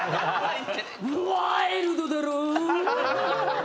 ワイルドだろぉ？